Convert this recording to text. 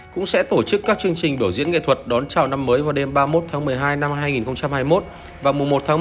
cũng sẽ tổ chức các chương trình biểu diễn nghệ thuật đón chảo năm mới vào đêm ba mươi một một mươi hai hai nghìn hai mươi một và mùa một một hai nghìn hai mươi hai